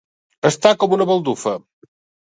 Estar com una baldufa.